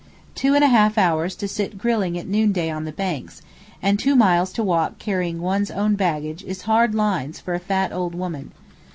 Two and a half hours to sit grilling at noonday on the banks, and two miles to walk carrying one's own baggage is hard lines for a fat old woman.